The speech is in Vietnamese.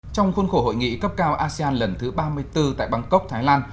trong khuôn khổ hội nghị cấp cao asean lần thứ ba mươi bốn tại bangkok thái lan